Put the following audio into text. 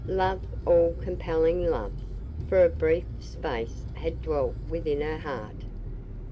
Love all compelling love for a brief space had dwelt within her heart